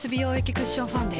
クッションファンデ